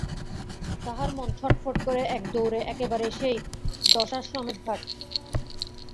তাহার মন ছটফট করে-একদৌড়ে একেবারে সেই দশাশ্বমেধ ঘাট।